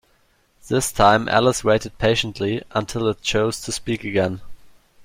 This time Alice waited patiently until it chose to speak again.